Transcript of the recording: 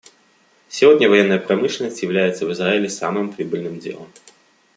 Сегодня военная промышленность является в Израиле самым прибыльным делом.